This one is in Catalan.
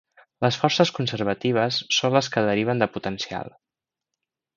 Les forces conservatives són les que deriven de potencial.